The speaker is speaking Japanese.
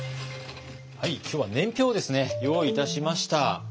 今日は年表をですね用意いたしました。